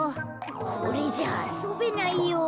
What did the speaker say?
これじゃあそべないよ。